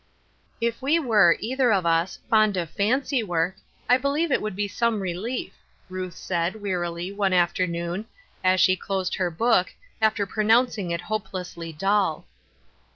"If we were, either of us, fond of fancy work, I believe it would be some relief/' Ruth baid, wearily, one afternoon, as she closed hei 200 Ruth UrsJcine's Crosses, book, after pronouncing it hopelessly dull.